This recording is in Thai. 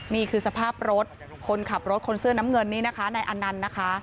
นี่คือสภาพรถคนขับรถคนเสื้อน้ำเงินนี่นะคะนายอนันต์นะคะ